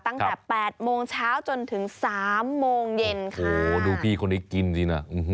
ตั้งแต่แปดโมงเช้าจนถึงสามโมงเย็นค่ะโอ้โหดูพี่คนนี้กินสิน่ะ